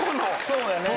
そうやね。